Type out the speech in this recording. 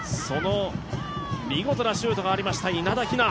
その見事なシュートがありました、稲田雛。